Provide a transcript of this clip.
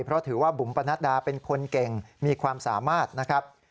เพราะถือว่าบุ๋มปนัดดาเป็นคนเก่งมีความสามารถนะครับ